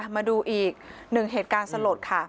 มาดูอีกหนึ่งเหตุการณ์สลดค่ะ